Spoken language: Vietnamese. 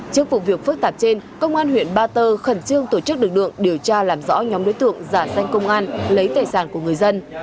trước vụ việc phức tạp trên công an huyện ba tơ khẩn trương tổ chức lực lượng điều tra làm rõ nhóm đối tượng giả danh công an lấy tài sản của người dân